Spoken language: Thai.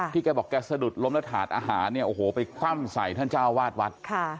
แกบอกแกสะดุดล้มแล้วถาดอาหารเนี่ยโอ้โหไปคว่ำใส่ท่านเจ้าวาดวัด